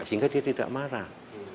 sehingga dia tidak marah